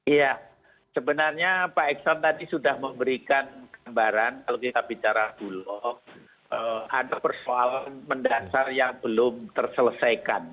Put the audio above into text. iya sebenarnya pak exon tadi sudah memberikan gambaran kalau kita bicara bulog ada persoalan mendasar yang belum terselesaikan